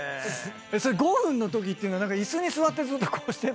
それ５分のときっていうのは椅子に座ってずっとこうしてんの？